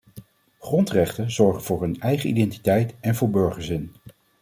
Grondrechten zorgen voor een eigen identiteit en voor burgerzin.